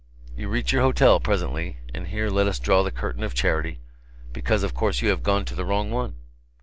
You reach your hotel, presently and here let us draw the curtain of charity because of course you have gone to the wrong one.